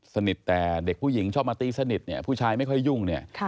สนิทแต่เด็กผู้หญิงชอบมาตีสนิทเนี่ยผู้ชายไม่ค่อยยุ่งเนี่ย